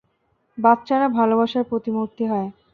বাচ্চারা ভালোবাসার প্রতিমূর্তি হয়।